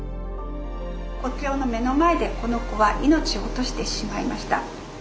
国境の目の前でこの子は命を落としてしまいました。